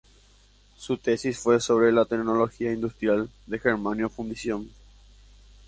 Su tesis fue sobre la tecnología industrial de germanio fundición.